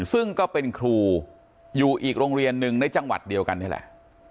ซึ่งก็เป็นครูอยู่อีกโรงเรียนหนึ่งในจังหวัดเดียวกันนี่แหละ